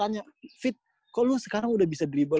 akhirnya pelatih tanya fit kok lu sekarang udah bisa dribble